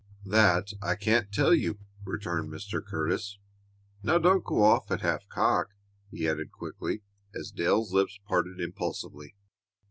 "That I can't tell you," returned Mr. Curtis. "Now don't go off at half cock," he added quickly, as Dale's lips parted impulsively.